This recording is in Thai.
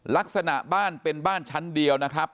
ลักษณะบ้านเป็นบ้านชั้นเดียวนะครับ